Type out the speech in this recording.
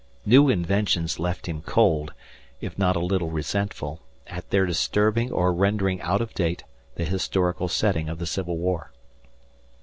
New inventions left him cold, if not a little resentful, at their disturbing or rendering out of date the historical setting of the Civil War.